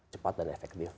cepat dan efektif